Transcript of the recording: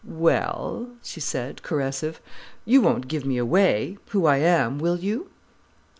"Well," she said, caressive, "you won't give me away, who I am, will you?"